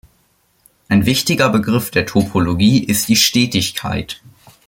Ein wichtiger Begriff der Topologie ist die Stetigkeit.